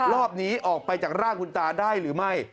รอบนี้ออกไปจากร่างคุณตาได้หรือไม่